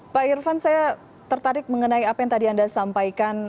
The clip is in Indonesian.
pak irfan saya tertarik mengenai apa yang tadi anda sampaikan